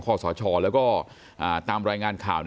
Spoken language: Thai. สชแล้วก็ตามรายงานข่าว